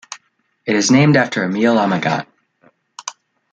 It is named after Emile Amagat.